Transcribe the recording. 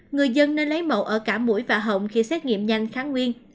người dân nên lấy mẫu ở cả mũi và hỏng khi xét nghiệm nhanh kháng nguyên